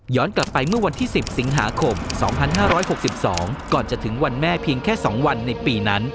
กลับไปเมื่อวันที่๑๐สิงหาคม๒๕๖๒ก่อนจะถึงวันแม่เพียงแค่๒วันในปีนั้น